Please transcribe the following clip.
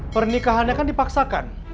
pernikahannya kan dipaksakan